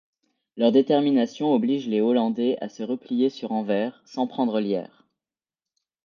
Leur détermination oblige les Hollandais à se replier sur Anvers, sans prendre Lierre.